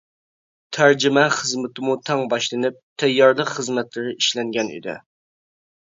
تەرجىمە خىزمىتىمۇ تەڭ باشلىنىپ، تەييارلىق خىزمەتلىرى ئىشلەنگەن ئىدى.